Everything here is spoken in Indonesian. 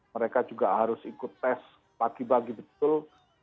mereka juga harus ikut tes pagi pagi betul